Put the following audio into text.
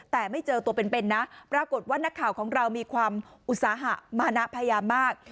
แต่ไม่เจอตัวเป็นนะปรากฏว่านักข่าวของเรามีความอุตสาหะมานะพยายามมาก